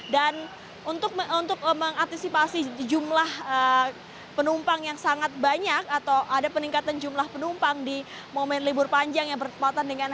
dan untuk mengantisipasi jumlah penumpang yang sangat banyak atau ada peningkatan jumlah penumpang di momen libur panjang yang berkempatan dengan